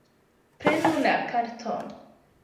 Prenu la karton